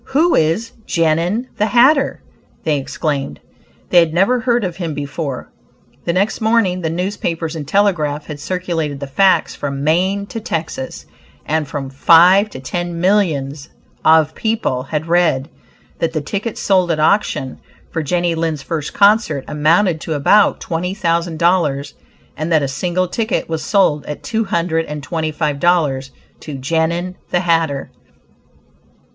"Who is 'Genin,' the hatter?" they exclaimed. They had never heard of him before. The next morning the newspapers and telegraph had circulated the facts from Maine to Texas, and from five to ten millions off people had read that the tickets sold at auction For Jenny Lind's first concert amounted to about twenty thousand dollars, and that a single ticket was sold at two hundred and twenty five dollars, to "Genin, the hatter."